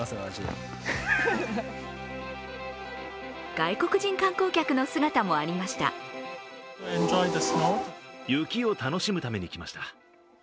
外国人観光客の姿もありました。